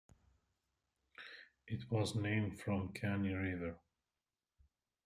It was named from the Caney River.